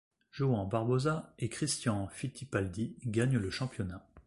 João Barbosa et Christian Fittipaldi gagnent le championnat.